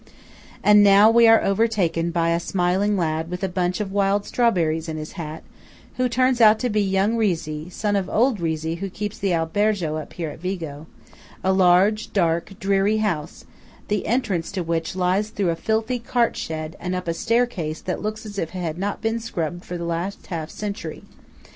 And now we are overtaken by a smiling lad with a bunch of wild strawberries in his hat, who turns out to be young Rizzi, son of old Rizzi who keeps the albergo up here at Vigo–a large, dark, dreary house, the entrance to which lies through a filthy cart shed and up a staircase that looks as if it had not been scrubbed for the last half century.